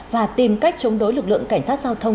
và tìm cách chống đối lực lượng cảnh sát giao thông